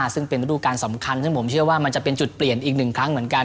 ซึ่งเป็นฤดูการสำคัญซึ่งผมเชื่อว่ามันจะเป็นจุดเปลี่ยนอีกหนึ่งครั้งเหมือนกัน